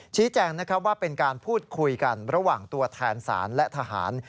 ชี้แจงนะครับว่าเป็นการพูดคุยกันระหว่างตัวแทนศาลและทหาร